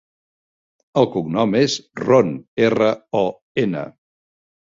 El cognom és Ron: erra, o, ena.